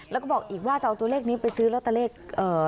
แล้วก็บอกอีกว่าจะเอาตัวเลขนี้ไปซื้อลอตเตอรี่เอ่อ